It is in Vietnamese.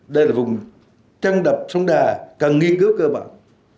đây là vùng trăng đập sông đà cần nghiên cứu cơ bản